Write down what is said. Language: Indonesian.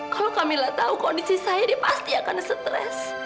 kalau kamila tahu kondisi saya dia pasti akan stres